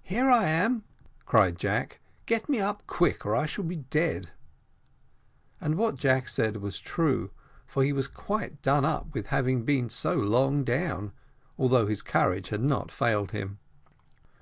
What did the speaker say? "Here I am," cried Jack, "get me up quick, or I shall be dead;" and what Jack said was true, for he was quite done up by having been so long down, although his courage had not failed him.